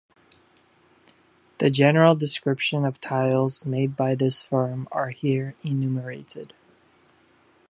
The general description of tiles made by this firm are here enumerated.